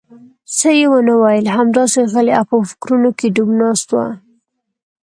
څه یې ونه ویل، همداسې غلی او په فکرونو کې ډوب ناست و.